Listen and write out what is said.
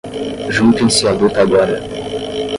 juntem-se a luta agora